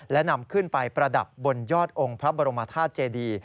และนำขึ้นไปประดับบนยอดองค์พระบรมธาตุเจดี